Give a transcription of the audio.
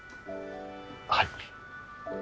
はい。